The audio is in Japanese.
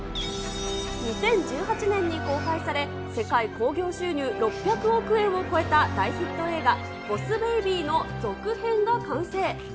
２０１８年に公開され、世界興行収入６００億円を超えた大ヒット映画、ボス・ベイビーの続編が完成。